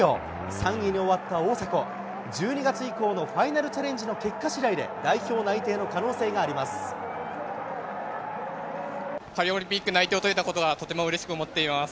３位に終わった大迫、１２月以降のファイナルチャレンジの結果しだいで、代表内定の可パリオリンピック内定を取れたことは、とてもうれしく思っています。